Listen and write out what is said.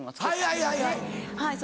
はいはいはいはい。